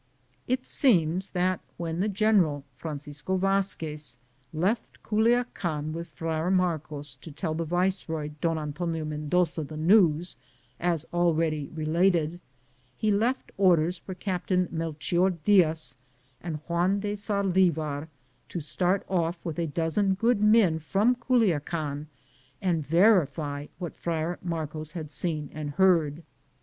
It seems that when the general, Francisco Vazquez, left Culiacan with Friar Marcos to tell the viceroy, Don Antonio de Mendoza, the news, as already related, he left orders for Captain Melchior Diaz and Juan de Saldi var to start off with a dozen good men from Culiacan and verify what Friar Marcos had seen and heard.